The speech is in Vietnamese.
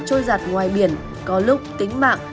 trôi giặt ngoài biển có lúc tính mạng